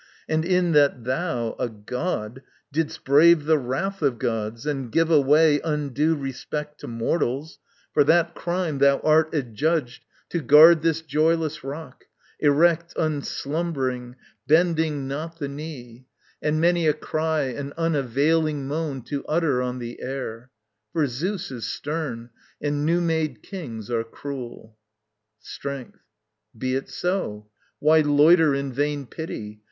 and in that thou, a god, Didst brave the wrath of gods and give away Undue respect to mortals, for that crime Thou art adjudged to guard this joyless rock, Erect, unslumbering, bending not the knee, And many a cry and unavailing moan To utter on the air. For Zeus is stern And new made kings are cruel. Strength. Be it so. Why loiter in vain pity?